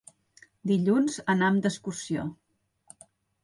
Dilluns anam d'excursió.